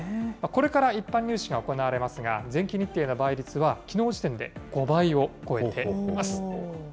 これから一般入試が行われますが、前期日程の倍率は、きのう時点で５倍を超えています。